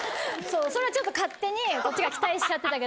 それはちょっと勝手にこっちが期待しちゃってたけど。